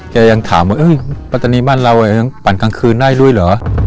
ยังถามว่าปัตตานีบ้านเรายังปั่นกลางคืนได้ด้วยเหรอ